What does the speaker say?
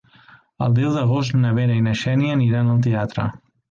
El deu d'agost na Vera i na Xènia aniran al teatre.